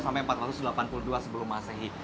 sampai empat ratus delapan puluh dua sebelum masehi